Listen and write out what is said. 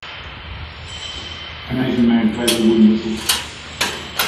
An Asian man plays a wooden whistle.